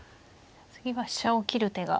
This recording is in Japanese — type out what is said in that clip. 次は飛車を切る手が。